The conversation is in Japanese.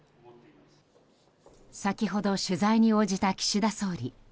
先ほど、取材に応じた岸田総理。